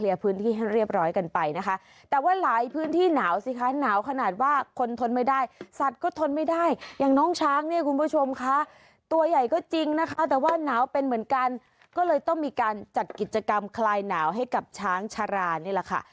อย่างน้องช้างเนี่ยคุณผู้ชมคะตัวใหญ่ก็จริงนะคะแต่ว่าหนาวเป็นเหมือนกันก็เลยต้องมีการจัดกิจกรรมคลายหนาวให้กับช้างชรานนี่ละค่ะ